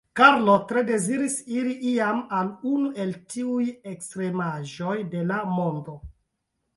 Karlo tre deziris iri iam al unu el tiuj ekstremaĵoj de la mondo.